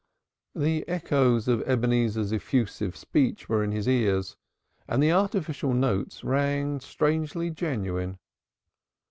The echoes of Ebenezer's effusive speech were in his ears and the artificial notes rang strangely genuine.